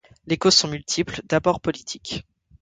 Les causes sont multiples, d’abord politiques.